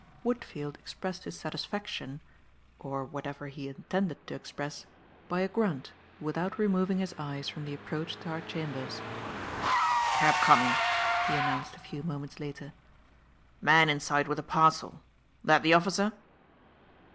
Woodfield expressed his satisfaction or whatever he intended to express by a grunt, without removing his eyes from the approach to our chambers. "Cab coming," he announced a few moments later. "Man inside with a parcel. That the officer?"